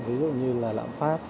ví dụ như là lãng pháp